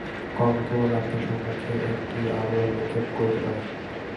কর্ম কেবল আত্মার সম্মুখে একটি আবরণ নিক্ষেপ করিতে পারে।